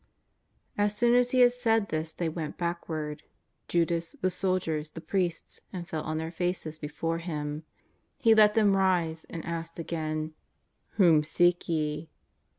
As soon as He had said this they went backward — Judas, the soldiers, the priests — and fell on their faces before Him. He let them rise, and asked again: " Whom seek ye